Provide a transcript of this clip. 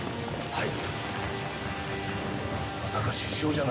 はい。